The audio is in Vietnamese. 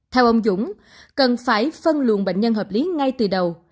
theo ông dũng cần phải phân luồn bệnh nhân hợp lý ngay từ đầu